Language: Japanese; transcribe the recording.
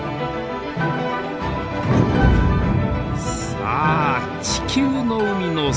さあ地球の海の最深部